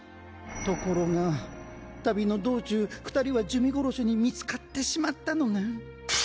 ところが旅の道中二人は珠魅殺しに見つかってしまったのねん。